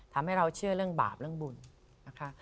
ทำให้เราเชื่อเรื่องบาปเรื่องบุญนะคะ